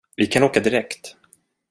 Vi kan åka direkt.